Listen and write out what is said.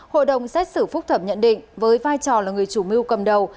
hội đồng xét xử phúc thẩm nhận định với vai trò là người chủ mưu cầm đầu